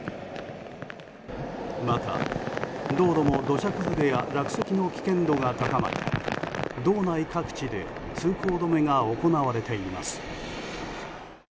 また、道路も土砂崩れや落石の危険度が高まり道内各地で通行止めが行われています。